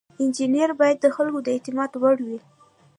انجینر باید د خلکو د اعتماد وړ وي.